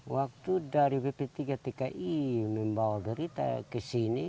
waktu dari bp tiga puluh tiga i membawa dari kesini